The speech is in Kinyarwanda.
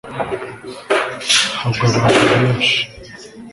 hagwa abantu benshi